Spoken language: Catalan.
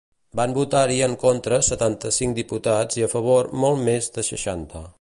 Van votar-hi en contra setanta-cinc diputats i a favor molts més de seixanta.